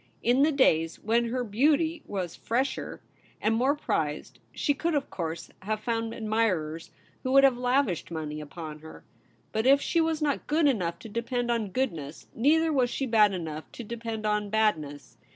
In the days when her beauty was fresher and more THE REBEL ROSE. prized, she could of course have found admirers who would have lavished money upon her. But if she was not good enough to depend on goodness, neither was she bad enough to depend on badness.